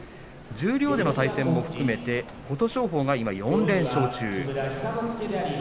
十両での対処も含めて琴勝峰が４連勝中です。